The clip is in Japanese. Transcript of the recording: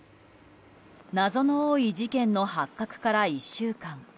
謎の多い事件の発覚から１週間。